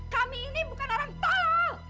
kami ini bukan orang talal